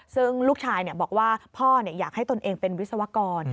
ซึ่งลูกชายบอกว่าพ่ออยากให้ตนเองเป็นวิศวกร